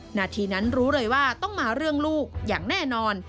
นาทีนั้นรู้เลยว่าต้องมาเรื่องลูกอย่างแน่นอน